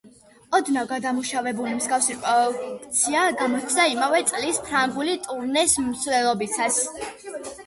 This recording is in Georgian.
ოდნავ გადამუშავებული მსგავსი პროექცია გამოჩნდა იმავე წლის ფრანგული ტურნეს მსვლელობისას.